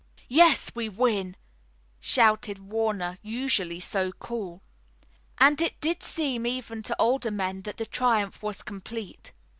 "Yes, we win!" shouted Warner, usually so cool. And it did seem even to older men that the triumph was complete.